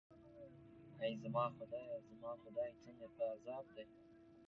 ای زما خدایه، زما خدای، څنګه په عذاب دی.